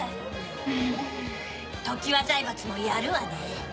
うん常磐財閥もやるわね。